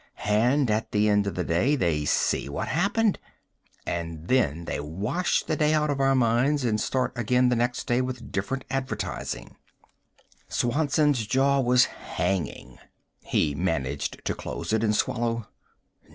And at the end of the day, they see what happened and then they wash the day out of our minds and start again the next day with different advertising." Swanson's jaw was hanging. He managed to close it and swallow.